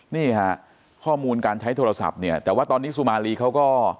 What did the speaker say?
นี่ฮะข้อมูลการใช้โทรศัพท์เนี่ยแต่ว่าตอนนี้สุมารีเขาก็